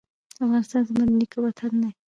افغانستان زما د نیکه وطن دی